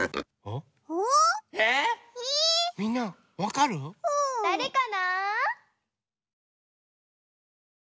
みんなわかる？だれかな？